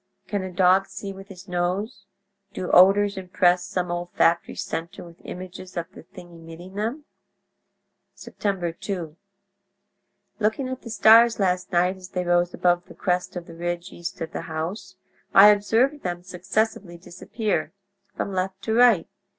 "Can a dog see with his nose? Do odors impress some olfactory centre with images of the thing emitting them? ... "Sept 2.—Looking at the stars last night as they rose above the crest of the ridge east of the house, I observed them successively disappear—from left to right.